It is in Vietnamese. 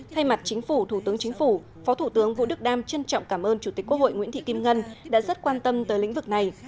thay mặt chính phủ thủ tướng chính phủ phó thủ tướng vũ đức đam trân trọng cảm ơn chủ tịch quốc hội nguyễn thị kim ngân đã rất quan tâm tới lĩnh vực này